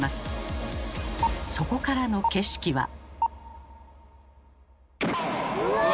そこからの景色は。うわ！